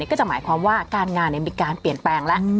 ก็จะหมายความว่าการงานมีการเปลี่ยนแปลงแล้ว